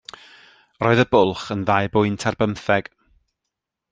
Roedd y bwlch yn ddau bwynt ar bymtheg.